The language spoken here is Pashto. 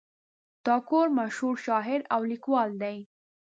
ټاګور مشهور شاعر او لیکوال دی.